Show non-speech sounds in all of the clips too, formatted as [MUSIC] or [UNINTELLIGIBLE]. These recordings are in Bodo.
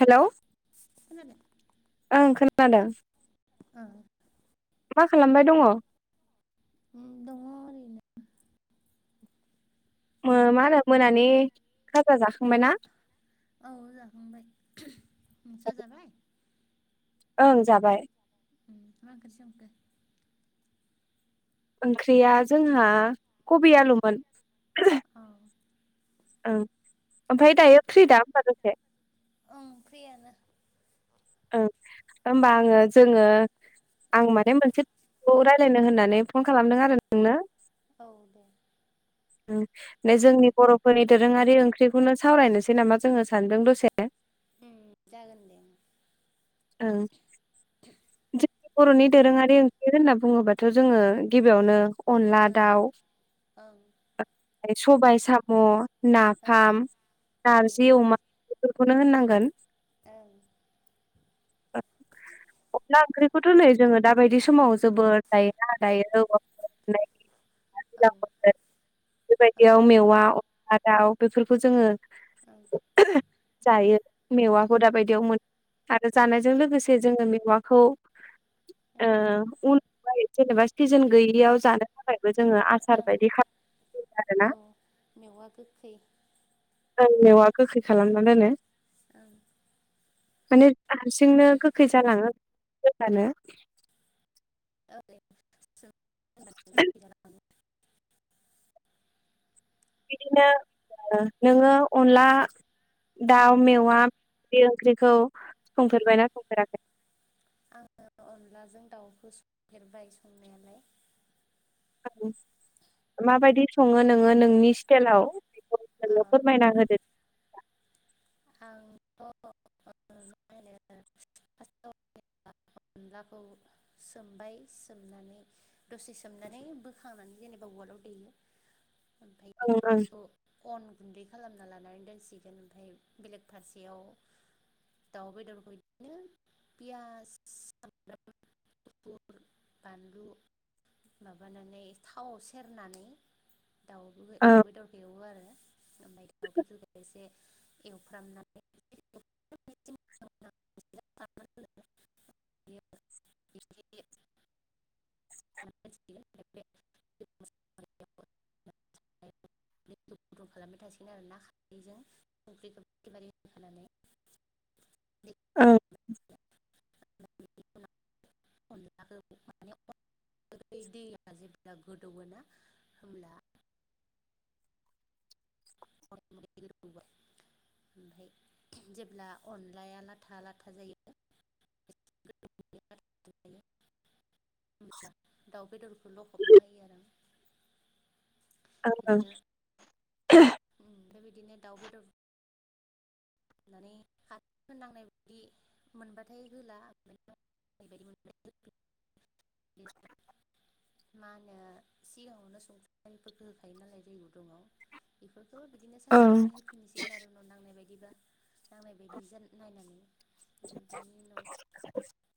हेलौ खोनादों ओं खोनादों ओ मा खालामबाय दङ दङ ओरैनो मा होनो मोनानि खाजा जाखांबायना औ जाखांबाय नोंसा जाबाय ओं जाबाय ओम मा ओंख्रि संखो ओंख्रिया जोंहा कबि आलुमोन औ ओं ओमफ्राय दायो फ्रि दा होमबा दसे ओं ओंख्रियानो ओं होमबा आङो जोङो आं उम माने मोनसे खौ रायज्लायनो होननानै फन खालामदों आरो नोंनो औ दे ओम बे जोंनि बर'फोरनि दोरोङारि ओंख्रिखौनो सावरायनोसै नामा जोङो साननैजों दसे ओम जागोन दे ओं जोंनि बर'नि दोरोङारि ओंख्रि होनना बुङोबाथ' जोङो गिबियावनो अनला ओं दाउ ओं सबाय साम' नाफाम ओं नारजि अमा बेफोरखौनो होननांगोन ओं [INAUDIBLE] अनला ओंख्रिखौथ' नै जोङो दा बायदि समाव जोबोद जायोना दायो [UNINTELLIGIBLE] ओं [UNINTELLIGIBLE] औ ओं बेबायदियाव मेवा अनला दाउ बेफोरखौ जोङो ओ जायो मेवाखौ दाबायदियाव मोन जानायजों लोगोसे जोङो मेवाखौ ओं ओ उन फाय जेनेबा सिजोन गैयियाव जानो थाखायबो जोङो आसार ओं बायदि खाम [INAUDIBLE] औ आरोना। मेवा गोखै आं मेवा गोखै खालामना दोनो। [UNINTELLIGIBLE] माने हारसिंनो गोखै जालाङो दोननानो। [UNINTELLIGIBLE] [UNINTELLIGIBLE] बिदिनो ओ नोङो अनला ओं दाउ मेवा बे ओंख्रिखौ ओं संफेरबायना संफेराखै? आङो अनलाजों दाउखौ संफेरबाय संनायालाय। [INAUDIBLE] माबायदि सङो नोङो नोंनि स्टेलाव ओ [INAUDIBLE] फोरमायना होदो। आंथ' [UNINTELLIGIBLE] फार्स्टआव अनलाखौ सोमबाय सोमनानै दसे सोमनानै बोखांनानै जेनेबा उवालाव देयो ओमफाय ओं ओं बेखौ अन गुन्दै खालामना लानानै दोनसिगोन ओमफाय बेलेग फारसेयाव दाउ बेदरखौ इदिनो पियास [UNINTELLIGIBLE] बानलु माबानानै थावाव सेरनानै दाउ बुबे ओं दाउ बेदरखौ एवो आरो ओमफाय दाउ बेदरखौ एसे एवफ्रामना [UNINTELLIGIBLE] [UNINTELLIGIBLE] [UNINTELLIGIBLE] दै [UNINTELLIGIBLE] गुदुं खालामबाय थासिगोन आरो ना खारैजों संख्रिखौ एकेबारे होखानानै। ओ अनलाखो माने [INAUDIBLE] दैया जेब्ला गोदौओ ना होमब्ला [UNINTELLIGIBLE] ओमफाय जेब्ला अनलाया लाथा लाथा जायो [UNINTELLIGIBLE] होमब्ला दाउ बेदरखौ लखबना होयो आरो आं। ओं ओं। उम ओमफाय बिदिनो दाउ बेदर होनानै खारैफोर नांनाय बायदि मोनबाथाय होला [UNINTELLIGIBLE] मा होनो सिगाङावनो संख्रि [INAUDIBLE] फोरखो होखायो नालाय दै गुदुंआव इफोरखो बिदिनो साखिनानै होफिनसिगोन आरो उनाव नांनाय बादिबा। नांनाय बायदि जान नायनानै बेनि उनाव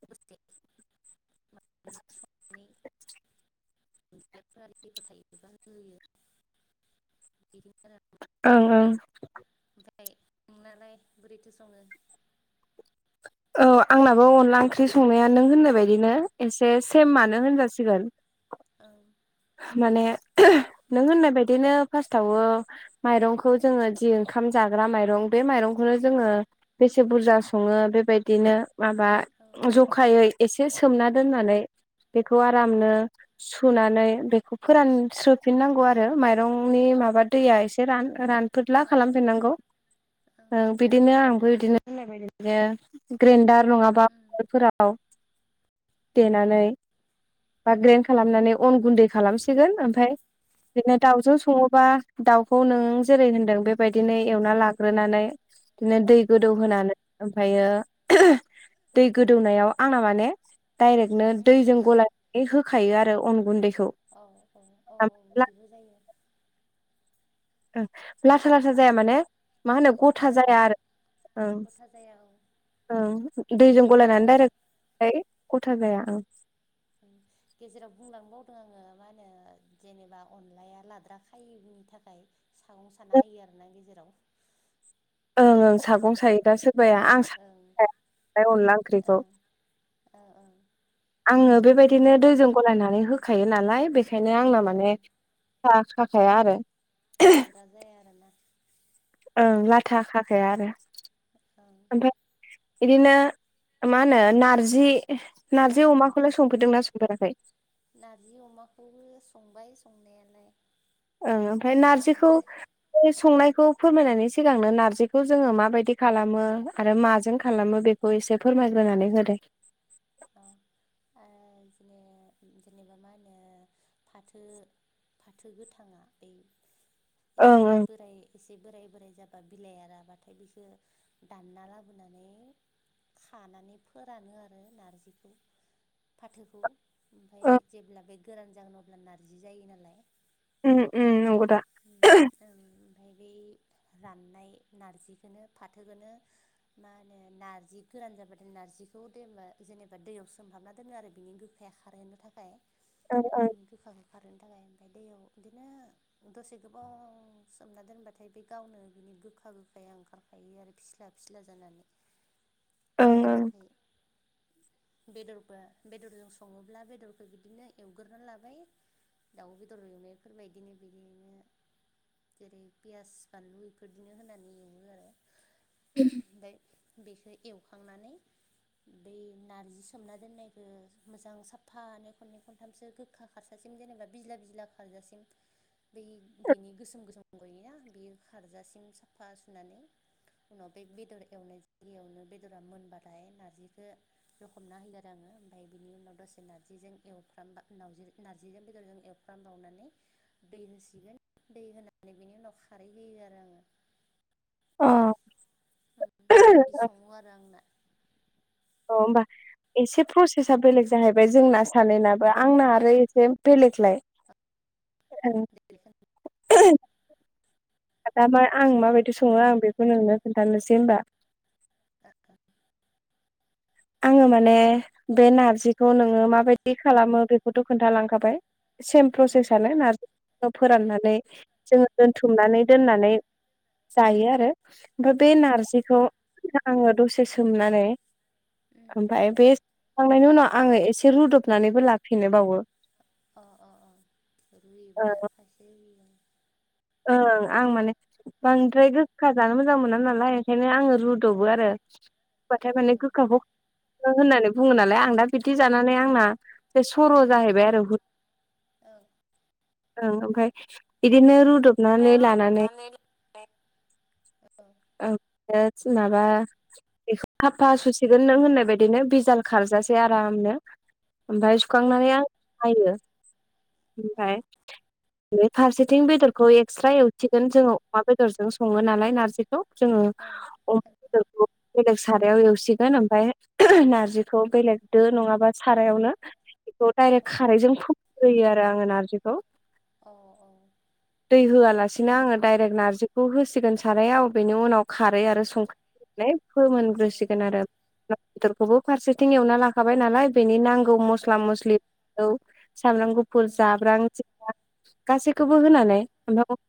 [UNINTELLIGIBLE] संनानै [UNINTELLIGIBLE] ओं ओं। ओमफाय नोंनालाय बोरैथो सङो? औ आंनाबो अनला ओंख्रि संनाया नों होननाय बायदिनो एसे सेमानो होनजासिगोन। औ माने नों होननाय बायदिनो फार्स्टआव माइरंखौ जोङो जि ओंखाम जाग्रा माइरं बे माइरंखौनो जोङो बेसे बुरजा सङो बेबायदिनो माबा ज खायै एसे सोमना दोननानै बेखौ आरामनो सुनानै बेखौ फोरानस्रोफिननांगौ आरो माइरंनि माबा दैया एसे रान-रान फोदला उम खालामफिननांगौ ओ बिदिनो आंबो बिदिनो बुंनाय बादिनो ग्रेन्डार नङाबा उवालफोराव देनानै बा ग्रेन्ड खालामनानै अन गुन्दै खालामसिगोन ओमफाय बिदिनो दाउजों सङोबा दाउखौ नों जेरै होनदों बेबायदिनो एवना लाग्रोनानै बिदिनो औ ओ दै गोदौ होनोनानै ओमफ्रायो दै गोदौनायाव आंना माने डाइरेक्टनो ओ दैजों गलायनानै होखायो आरो अन गुन्दैखौ। औ औ औ औ बिदिबो जायो। लाथा लाथ्रा जाया ओं माने मा होनो गथा ओं जाया आरो औ गथा जाया औ ओं दैजों गलायनानै आङो डाइरेक्टाय गथा जाया ओं। ओं गेजेराव बुंलांनोबावदों आङो मा होनो जेनेबा अनलाया लाद्रा खायैनि थाखाय सागं साना होयो आरो ना गेजेराव ओं ओं सागं सायो दा सोरबाया अन ओं आं स ओं सायाय अनला ओंख्रिखौ ओं ओं आङो बेबायदिनो दैजों गलायनानै होखायो नालाय बेखायनो आंनो ओं औ माने था खाखाया आरो। लाद्रा जाया आरोना। ओं लाथाखाखाया आरो। औ ओमफाय इदिनो मा होनो नारजि नारजि अमाखौलाय संफेरदों ना संफेराखै? नार्जि अमाखौबो संबाय संनायालाय। ओं ओमफ्राय नार्जिखौ बो बे संनायखौ फोरमायनायनि सिगांनो नारजिखौ जोङो माबायदि खालामो आरो माजों खालामो बेखौ खौ एसे फोरमायग्रोनानै होदे। औ ओ जोङो जेनेबा मा होनो फाथो फाथो गोथाङा बै ओं एसे ओं बोराय एसे बोराय बोराय जाबा बिलाइया राबाथाय बिसोरो दानना लाबोनानै खानानै फोरानो आरो नारजिखौ। फाथोखौ ओमफाय ओं जेब्ला बे गोरान जागोन अब्ला नारजि जायो नालाय। उम उम नंगौदा। ओं ओमफाय बै राननाय नारजिखौनो फाथोखोनो मा होनो नारजि गोरान जाबाथाय नारजिखौ दै जेनेबा दैयाव सोमहाबना दोनो आरो बिनि गोखाया खारहोनो थाखाय ओं ओं बिनि गोखाखौ खारोनो थाखाय ओमफ्राय दैयाव बिदिनो दसे गोबाव सोमना दोनबाथाय बे गावनो बिनि गोखा गोखाया ओंखार खायो आरो फिस्ला फिस्ला जानानै। [INAUDIBLE] ओं आफ्राय बेदरबा बेदरजों सङोब्ला बेदरखौ बिदिनो एवगोरा लाबाय। दाउ बेदर एवनायफोरबायदिनो बिदिनो जेरै पियास फानलु बेफोरदिनो होनानै एवो आरो। ओमफ्राय बेखौ एवखांनानै बै नारजि सोमना दोननाय आरो मोजां साफानै खननै खनथामसो गोखा खारसाासिम जेनेबा बिजला बिजला खारजासिम बै बिनि गोसोम गोसोम गयोना बे खारजासिम साफा सुनानै उनाव बे बेदर एवनाय जायगायावनो बेदरा मोनबाथाय नारजिखौ रखम होैदों आरो आङो ओमफफ्राय बिनि उनाव दसे नारजिजों एवफ्रामबाजि नारजिजों बेदरजों एवफ्रामबावनानै दै होसिगोन दै होनानै बिनि उनाव खारै होयो आरो आङो। अ अ बिदि सङो आरो आंना अ‌ होमबा एसे प्रसेसा बेलेग जाहैबाय जोंना सानैनाबो आंना आरो एसे बेलेगलाय औ दा आं माबायदि सङो आं बेखौ नोंनो खोन्थानोसै होमबा आ आङो माने बे नारजिखौ नोङो माबायदि खालामो बेखौथ' खोन्थालांखाबाय सेम प्रसेसनो नारजिखौ फोराननानै जोङो दोनथुमनानै दोननानै जायो आरो ओमफ्राय बे नारजिखौ आङो दसे सोमनानै औ ओमफ्राय बेखांनायनि उनाव आङो एसे रुदबनानैबो लाफिनोबावो अ अ अ रुइबो दा खायसे र ओं आं माने बांद्राय गोखा जानो मोजां मोना नालाय ओंखायनो आङो ओं रुद'बो आरो हबाथाय माने ओं गोखाखौ होननानै बुङो नालाय आं दा बिदि जानानै आंना बे सर' जाहैबाय आरो औ ओं ओमफ्राय बिदिनो रुद ब [UNINTELLIGIBLE] ओमफ्राय माबा बेखौ हाफा सुसिगोन नों होननाय बायदिनो बिजाल खारजासै आरामनो ओमफ्राय सुखांनानै आं हायो ओमफ्राय बे फारसेथिं बेदर एक्सट्रा एवथिगोन जोङो अमा बेदरजों सङो नालाय नारजिखौ जोङो अ बेलेग सारायाव एवसिगोन ओमफफ्राय नारजिखौ बेलेग दो नङाबा सारायावनो बेखौ डाइरेक्ट खारैजों फोखोयो आरो आङो नारजिखौ औ औ दै होआलासिनो आङो दडाइरेक्ट नारजिखौ होसिगोन सारायाव बेनि उनाव खारै आरो संख्रि फ मोनग्रोसिगोन आरो ा बेदरखौबो फारसेथिं एवना लाखाबाय नालाय बेनि नांगौ मस्ला मस्लि सामब्राम गुफुर जाब्रां जि गासैखौबो होनानै ओम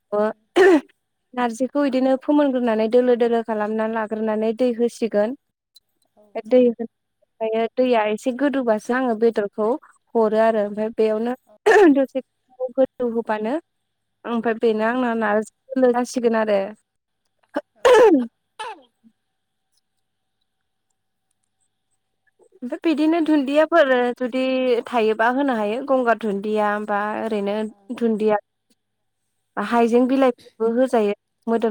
नारजिखौ बिदिनो फोमोनग्रोनानै दोलो दोलो खालामनानै लाग्रोनानै दै होसिगोन दै होनानै दैया एसे गोदौोबासो आङो बेदरखौ हरो आरो ओमफफ्राय बेयावनो दसे गोदौ होबानो ओमफ्राय बेनो आंना नारजि जासिगोन आरो। ओ ओमफ्राय बिदिनो धुन्दियाफोर जुदि थायोबा होनो हायो गंगार धुन्दिया बा ओरैनो धुन्दिया हाइजें बिलाइफोरबो होजायो।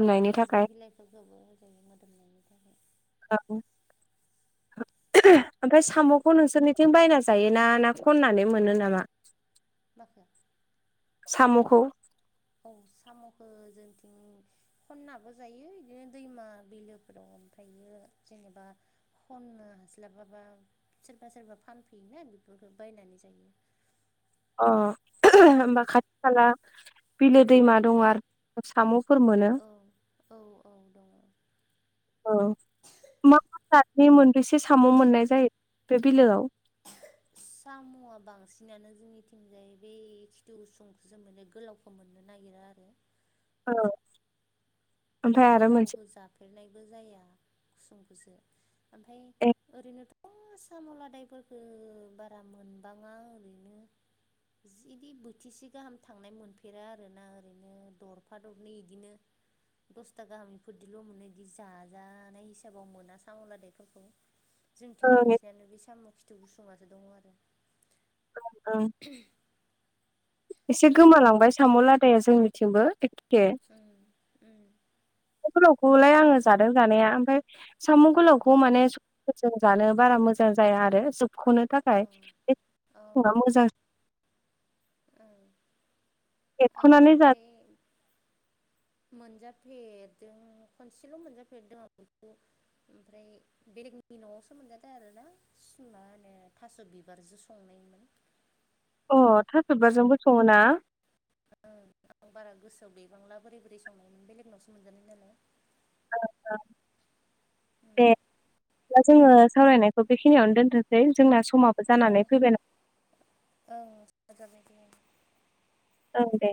औ थाखाय हाइजें बिलाइफोरखौबो होजायो मोदोमनायनि थाखाय। औ ओमफ्राय साम'खौ नोंसोरनिथिं बायना जायोना ना खननानै मोनो नामा माखो साम'खौ औ साम'खो जोंथिं खननाबो जायो इदिनो दैमा बिलोफोराव ओमफ्रायो जेनेबा खननो हास्लाबाबा सोरबा सोरबा फानफैयोना बेफोरखो बायनानै जायो। अ होमबा खाथि खाला बिलो दैमा दं आरो? साम'फोर मोनो। औ औ औ दङ। औ। [UNINTELLIGIBLE] मोनबेसे साम' मोननाय जायो बे बिलोआव? साम'आ बांसिनानो जोंनिथिंजाय बे खिथु गुसुंखौसो मोनो गोलाव खौ मोननो नागिरा आरो। औ। ओमफ्राय आरो मोनसे गोलावखो जाफेरनायबो जाया गुसुंखोसो ओमफाय ओरैनोथ ' साम'लादायफोरखो बारा मोनबाङा ओरैनो जिदि बोथिसे गाहाम थांनाय मोनफेरा आरोना ओरैनो दरफा दरनै इदिनो दसथा गाहाम इफोरदिल' मोननाय इदि जाजानाय हिसाबाव मोना साम' लादायफोरखौ। जोंथिं ओं बांसिनानो बे साम' खिथु गुसुंआसो दङ आरो। ओं। [UNINTELLIGIBLE] एसे गोमालांबाय साम' लादाया जोंनिथिंबो एखे। उम। साम' गोलावखौलाय आंङो जादों जानाया ओमफ्राय साम' गोलावखौ माने जों जानो बारा मोजां जाया आरो जोबख'नो औ थाखाय बे [INAUDIBLE] मोजां ओं एरख'नानै जा आंलाय मोनजाफेरदों खनसेल' मोनजाफेरदों आं बेखौ। ओमफ्राय बेलेगनि न'आवसो मोनजादों आरोना मा होनो थास' बिबारजों संनायमोन। अ थास'बिबारजोंबो सङो ना? [UNINTELLIGIBLE] आं बारा गोसोआव गैबांला बोरै बोरै संनाय बेलेगनावसो मोनजानाय नालाय। ओं ओं दे। दा जोंङो सावरायनायखौ बेखिनियावनो दोनथ'नोसै जोंना समाबो जानानै फैबाय ना। औ [UNINTELLIGIBLE] ओं दे।